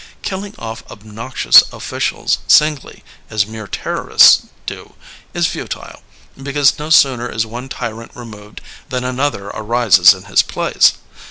Killing off obnoxious officials singly, as mere terrorists do, is futile, because no sooner is one tyrant removed than another arises in his place.